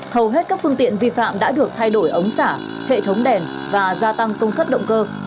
hầu hết các phương tiện vi phạm đã được thay đổi ống xả hệ thống đèn và gia tăng công suất động cơ